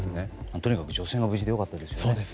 とにかく女性が無事で良かったです。